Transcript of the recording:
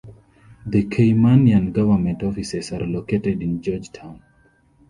The Caymanian government offices are located in George Town.